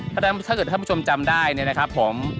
ถ้าเกิดท่านผู้ชมจำได้เนี่ยนะครับผม